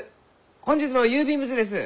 本日の郵便物です。